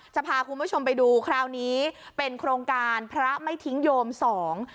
จะพาคุณผู้ชมไปดูคราวนี้เป็นโครงการพระไม่ทิ้งโยมสอง